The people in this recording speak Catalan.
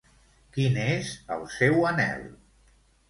Quin és el seu anhel?